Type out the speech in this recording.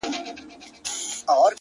o سیاه پوسي ده د مړو ورا ده،